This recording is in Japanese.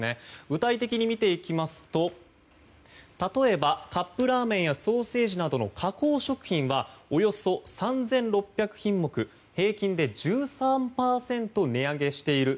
具体的に見ていきますと例えば、カップラーメンやソーセージなどの加工食品はおよそ３６００品目平均で１３％値上げしている。